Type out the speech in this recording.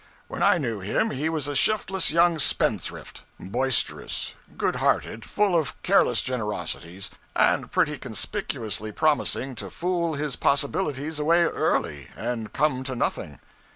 When I knew him he was a shiftless young spendthrift, boisterous, goodhearted, full of careless generosities, and pretty conspicuously promising to fool his possibilities away early, and come to nothing.